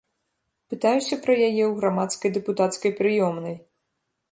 Пытаюся пра яе ў грамадскай дэпутацкай прыёмнай.